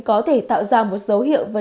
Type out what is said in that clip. có thể tạo ra một dấu hiệu và